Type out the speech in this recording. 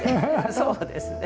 そうですね。